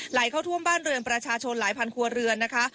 ไหลเข้าท่วมบ้านเรือนประชาชนหลายพันครัวเรือนนะคะ